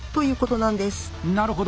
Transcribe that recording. なるほど。